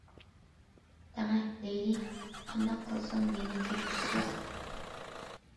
دەڭە لەيلى قانداق قىلسام مېنى كەچۈرىسىز؟!